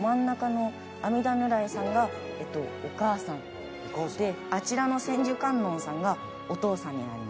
真ん中の阿弥陀如来さんがお母さんであちらの千手観音さんがお父さんになります。